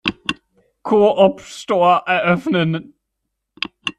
Co-op-Store eröffnen.